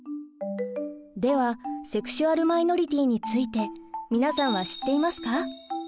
ではセクシュアル・マイノリティーについて皆さんは知っていますか？